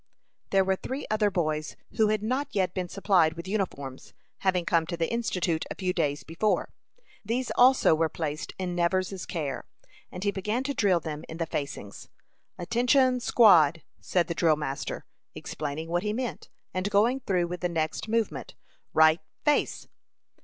There were three other boys, who had not yet been supplied with uniforms, having come to the Institute a few days before. These also were placed in Nevers's care, and he began to drill them in the facings. "Attention squad," said the drill master, explaining what he meant, and going through with the next movement. "Right face."